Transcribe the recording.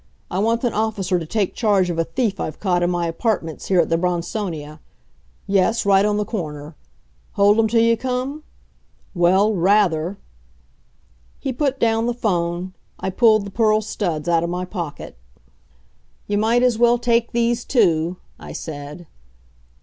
I want an officer to take charge of a thief I've caught in my apartments here at the Bronsonia. Yes, right on the corner. Hold him till you come? Well rather!" He put down the 'phone. I pulled the pearl studs out of my pocket. "You might as well take these, too," I said.